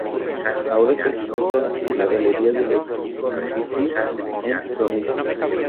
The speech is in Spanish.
Ahora está expuesta en la Galería de los Uffizi en Florencia.